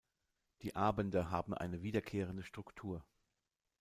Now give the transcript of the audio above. Die Abende haben eine wiederkehrende Struktur.